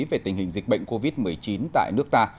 về tình hình dịch bệnh covid một mươi chín tại nước ta